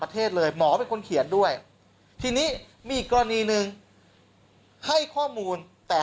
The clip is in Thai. ประเทศเลยหมอเป็นคนเขียนด้วยที่นี้มีกรณีนึงให้ข้อมูลแต่